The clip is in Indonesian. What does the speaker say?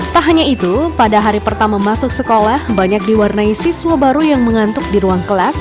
tak hanya itu pada hari pertama masuk sekolah banyak diwarnai siswa baru yang mengantuk di ruang kelas